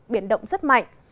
biển động rất mạnh